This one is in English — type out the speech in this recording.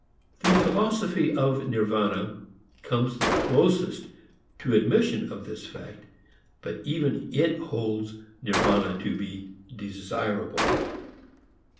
The philosophy of Nirvana comes the closest to admission of this fact, but even it holds Nirvana to be desirable.